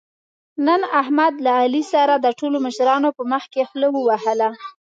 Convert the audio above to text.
نن احمد له علي سره د ټولو مشرانو په مخکې خوله ووهله.